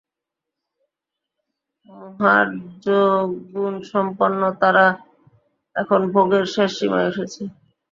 মহারজোগুণসম্পন্ন তারা এখন ভোগের শেষ সীমায় উঠেছে।